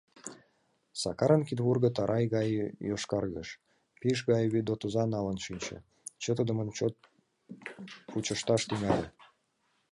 Сакарын кидвурго тарай гай йошкаргыш, пӱкш гай вӱдотыза налын шинче, чытыдымын чот пучышташ тӱҥале.